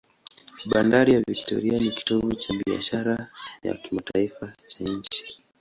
Bandari ya Victoria ni kitovu cha biashara ya kimataifa cha nchi.